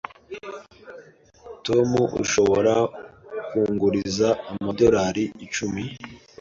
Tom, ushobora kunguriza amadorari icumi?